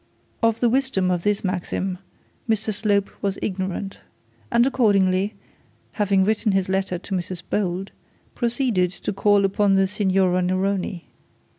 Of the wisdom of this maxim Mr Slope was ignorant, and accordingly, having written his letter to Mrs Bold, he proceeded to call upon the Signora Neroni.